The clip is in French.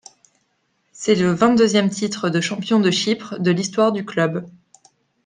C'est le vingt-deuxième titre de champion de Chypre de l'histoire du club.